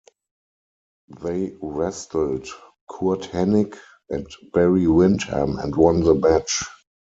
They wrestled Curt Hennig and Barry Windham and won the match.